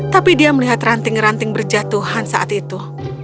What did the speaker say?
tapi dia melihat ranting ranting berjatuhan saat itu